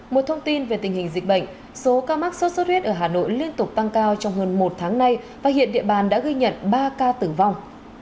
một thông tin về tình hình dịch bệnh số ca mắc sốt xuất huyết ở hà nội liên tục tăng cao trong hơn một tháng nay và hiện địa bàn đã ghi nhận ba ca tử vong